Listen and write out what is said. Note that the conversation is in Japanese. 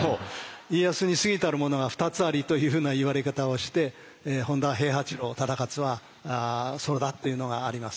家康に過ぎたるものが２つありというふうな言われ方をして本多平八郎忠勝はそれだっていうのがあります。